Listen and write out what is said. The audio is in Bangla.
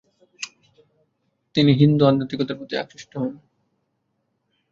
তিনি হিন্দু আধ্যাত্মিকতার প্রতি আকৃষ্ট হন।